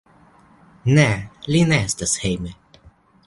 Ne, li ne estas hejme.